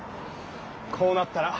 こうなったら。